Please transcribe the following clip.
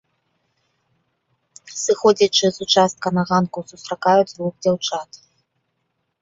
Сыходзячы з участка на ганку сустракаю дзвюх дзяўчат.